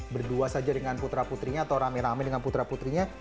berdua saja dengan putra putrinya atau rame rame dengan putra putrinya